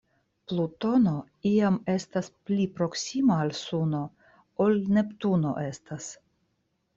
Plutono iam estas pli proksima al Suno ol Neptuno estas.